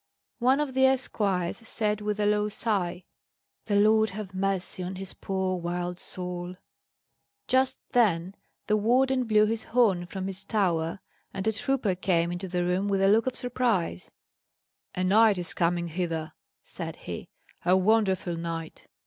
One of the esquires said with a low sigh: "The Lord have mercy on his poor wild soul!" Just then the warder blew his horn from his tower, and a trooper came into the room with a look of surprise. "A knight is coming hither," said he; "a wonderful knight.